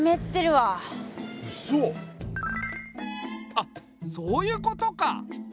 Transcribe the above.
あっそういうことか！